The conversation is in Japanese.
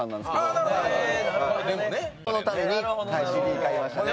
勉強のためにＣＤ買いましたね。